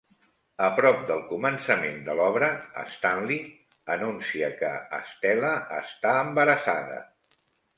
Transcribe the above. A prop del començament de l'obra, Stanley anuncia que Stella està embarassada.